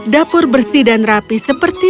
dapur bersih dan rapi seperti